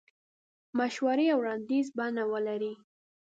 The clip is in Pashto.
مشورې او وړاندیز بڼه ولري.